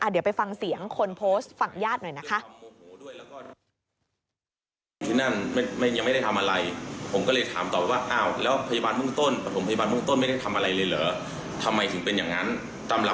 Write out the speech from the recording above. เดี๋ยวไปฟังเสียงคนโพสต์ฝั่งญาติหน่อยนะคะ